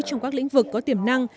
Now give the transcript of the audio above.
trong các lĩnh vực có tiềm năng